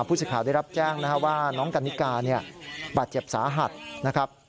ผู้ศึกภาวได้รับแจ้งว่าน้องกัณิกาบาดเจ็บสาหัดนะครับ